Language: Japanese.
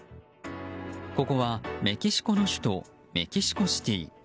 ここは、メキシコの首都メキシコシティ。